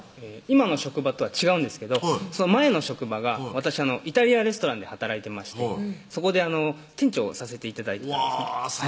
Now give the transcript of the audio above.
今の職場とは違うんですけど前の職場が私イタリアンレストランで働いてましてそこで店長をさせて頂いてたんですね